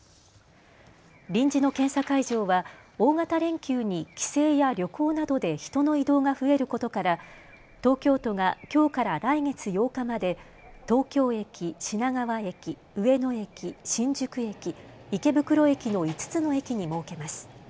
臨時の検査会場は大型連休に帰省や旅行などで人の移動が増えることから東京都がきょうから来月８日まで東京駅、品川駅、上野駅、新宿駅、池袋駅の５つの駅に設けます。